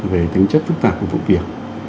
về tính chất phức tạp của vụ việc